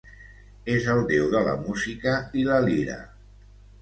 És el déu de la música i la lira.